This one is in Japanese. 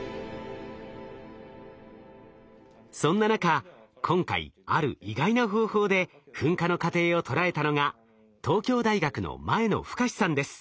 そんな中今回ある意外な方法で噴火の過程を捉えたのが東京大学の前野深さんです。